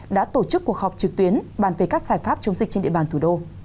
đã tổ chức cuộc họp trực tuyến bàn về các giải pháp chống dịch trên địa bàn thủ đô